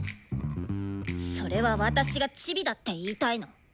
それは私がチビだって言いたいの？